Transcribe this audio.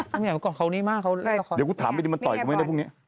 มันอย่างกว่าเขานี่มากเดี๋ยวผมถามไปมันต่อยกันไหมได้พรุ่งนี้